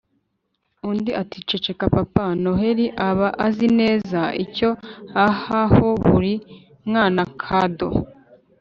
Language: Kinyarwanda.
undi ati "ceceka papa noheli aba azi neza icyo aha ho buri mwana kado".